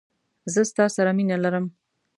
زه ستا سره مینه لرم